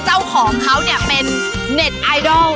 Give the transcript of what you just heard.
เจ้าของเขาเนี่ยเป็นเน็ตไอดอล